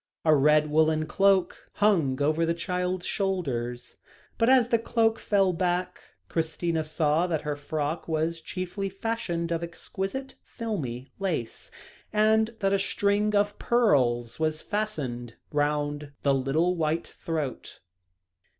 A red woollen cloak hung over the child's shoulders, but as the cloak fell back, Christina saw that her frock was chiefly fashioned of exquisite filmy lace, and that a string of pearls was fastened round the little white throat.